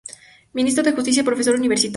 Ministro de justicia y profesor universitario.